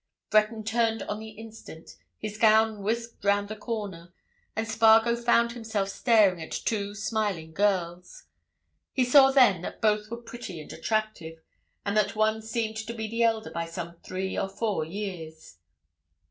Breton turned on the instant; his gown whisked round a corner, and Spargo found himself staring at two smiling girls. He saw then that both were pretty and attractive, and that one seemed to be the elder by some three or four years.